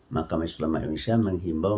maka majelis ulama indonesia mengimbau